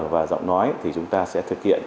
và giọng nói thì chúng ta sẽ thực hiện